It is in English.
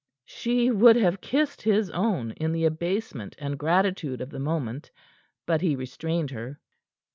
She would have kissed his own in the abasement and gratitude of the moment. But he restrained her.